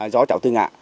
do cháu từ ngã